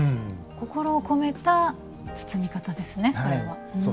心を込めた包み方ですね、それは。